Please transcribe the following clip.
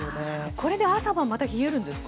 これで朝晩また冷えるんですか？